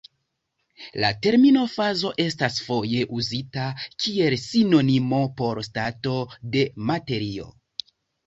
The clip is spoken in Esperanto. La termino fazo estas foje uzita kiel sinonimo por stato de materio.